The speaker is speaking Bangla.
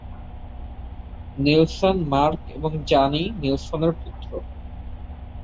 নেলসন, মার্ক এবং জানি নেলসনের পুত্র।